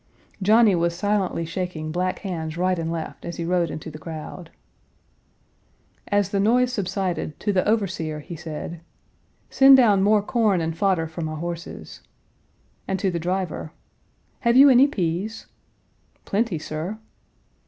Johnny was silently shaking black hands right and left as he rode into the crowd. As the noise subsided, to the overseer he said: "Send down more corn and fodder for my horses." And to the driver, "Have you any peas?" "Plenty, sir."